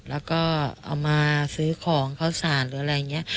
แล้วก็เอามาซื้อของเข้าสารหรืออะไรอย่างนี้